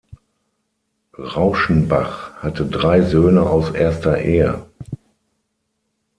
Rauschenbach hatte drei Söhne aus erster Ehe.